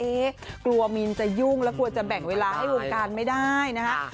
กลัวมินจะยุ่งแล้วกลัวจะแบ่งเวลาให้วงการไม่ได้นะคะ